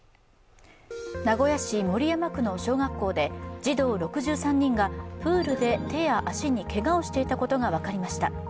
名古屋市守山区の小学校で児童６３人がプールで手や足にけがをしていたことが分かりました。